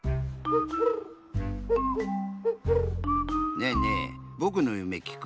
ねえねえぼくのゆめきく？